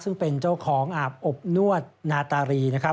ซึ่งเป็นเจ้าของอาบอบนวดนาตารีนะครับ